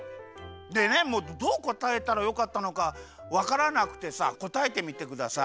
でねどうこたえたらよかったのかわからなくてさこたえてみてください。